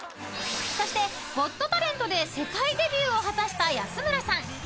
［そして『ゴット・タレント』で世界デビューを果たした安村さん］